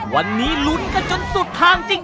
วันนี้ลุ้นกันจนสุดทางจริง